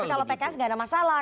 tapi kalau pks nggak ada masalah